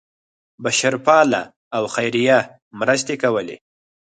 بشرپاله او خیریه مرستې کولې.